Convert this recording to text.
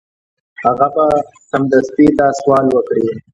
هغه به سمدستي دا سوال وکړي.